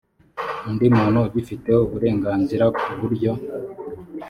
undi muntu ugifiteho uburenganzira ku buryo